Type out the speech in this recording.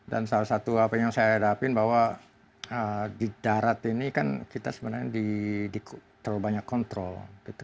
dan salah satu hal yang saya hadapin bahwa di darat ini kan kita sebenarnya terlalu banyak dikontrol